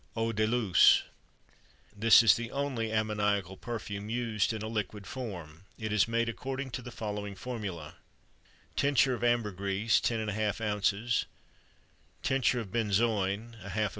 EAU DE LUCE. This is the only ammoniacal perfume used in a liquid form. It is made according to the following formula: Tincture of ambergris 10½ oz. Tincture of benzoin ½ lb.